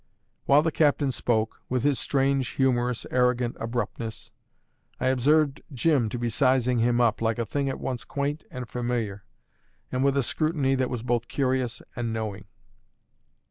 While the captain spoke, with his strange, humorous, arrogant abruptness, I observed Jim to be sizing him up, like a thing at once quaint and familiar, and with a scrutiny that was both curious and knowing.